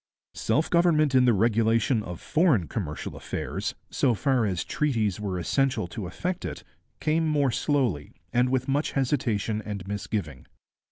Self government in the regulation of foreign commercial affairs, so far as treaties were essential to effect it, came more slowly, and with much hesitation and misgiving.